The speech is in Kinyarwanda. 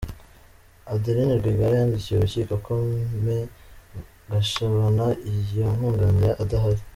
Adeline Rwigara yandikiye urukiko ko Me Gashabana yamwunganira adahari.